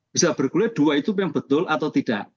bisa bergulir dua itu memang betul atau tidak